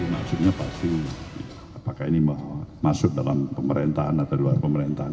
maksudnya pasti apakah ini masuk dalam pemerintahan atau luar pemerintahan